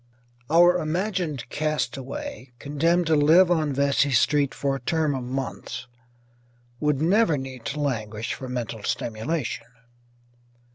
Our imagined castaway, condemned to live on Vesey Street for a term of months, would never need to languish for mental stimulation.